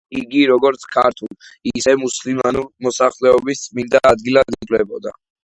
იგი როგორც ქართულ, ისევე მუსლიმანური მოსახლეობის წმინდა ადგილად ითვლებოდა.